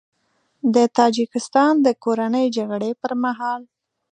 د تاجیکستان د کورنۍ جګړې پر مهال